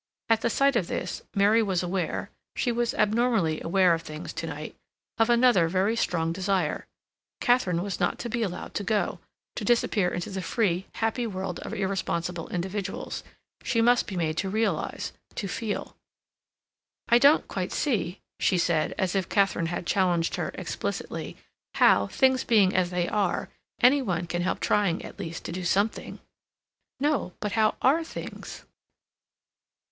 At the sight of this, Mary was aware—she was abnormally aware of things to night—of another very strong desire; Katharine was not to be allowed to go, to disappear into the free, happy world of irresponsible individuals. She must be made to realize—to feel. "I don't quite see," she said, as if Katharine had challenged her explicitly, "how, things being as they are, any one can help trying, at least, to do something." "No. But how are things?"